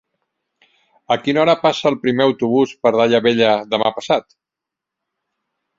A quina hora passa el primer autobús per Daia Vella demà passat?